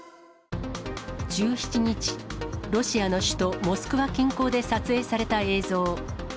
１７日、ロシアの首都モスクワ近郊で撮影された映像。